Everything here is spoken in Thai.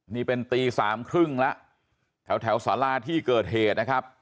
นี่เป็นตีสามครึ่งแล้วแถวสาราที่เกิดเหตุนะครับ